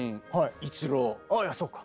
あっそうか。